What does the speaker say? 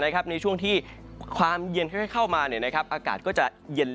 นะครับในช่วงที่ความเย็นเข้ามาเนี่ยนะครับอากาศก็จะเย็น